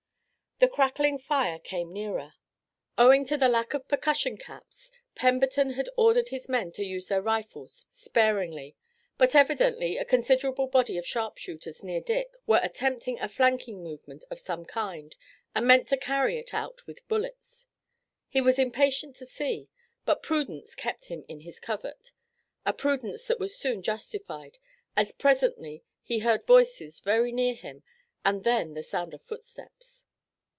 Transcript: The crackling fire came nearer. Owing to the lack of percussion caps, Pemberton had ordered his men to use their rifles sparingly, but evidently a considerable body of sharpshooters near Dick were attempting a flanking movement of some kind, and meant to carry it out with bullets. He was impatient to see, but prudence kept him in his covert, a prudence that was soon justified, as presently he heard voices very near him and then the sound of footsteps.